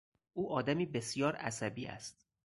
او آدمی بسیار عصبی است.